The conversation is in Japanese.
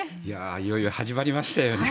いよいよ始まりましたよね。